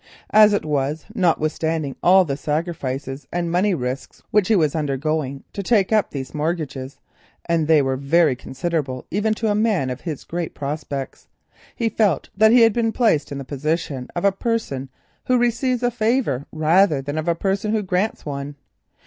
As it was, notwithstanding all the sacrifices and money risks which he was undergoing to take up these mortgages, and they were very considerable even to a man of his great prospects, he felt that he had been placed in the position of a person who receives a favour rather than of a person who grants one.